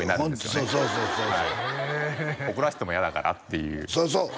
ホントそうそうそう怒らせても嫌だからっていうそうそう！